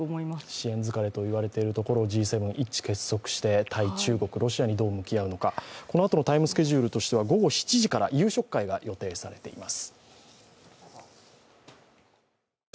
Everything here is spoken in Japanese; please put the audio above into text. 支援疲れといわれているところをＧ７、一致団結して対中国、ロシアにどう向き合うのかこのあとのスケジュールとしては午後７時から夕食会が予定されています。